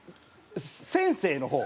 先生の方？